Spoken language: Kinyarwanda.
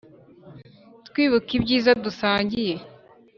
Twibuka ibyiza dusangiye